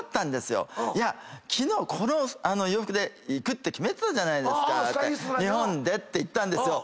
「昨日この洋服でいくって決めてたじゃないですかって日本で」って言ったんですよ。